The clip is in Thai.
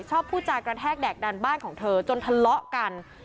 พูดจากกระแทกแดกดันบ้านของเธอจนทะเลาะกัน